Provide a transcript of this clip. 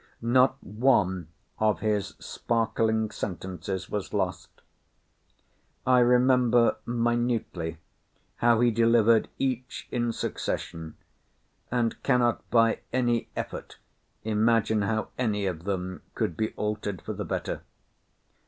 Not one of his sparkling sentences was lost. I remember minutely how he delivered each in succession, and cannot by any effort imagine how any of them could be altered for the better.